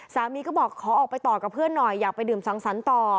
สามีก็บอกขอออกไปต่อกับเพื่อนหน่อยอยากไปดื่มสังสรรค์ต่อ